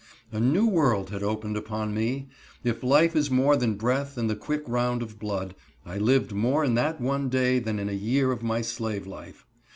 A new world had opened upon me. If life is more than breath and the "quick round of blood," I lived more in that one day than in a year of my slave life.